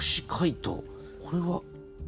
これは。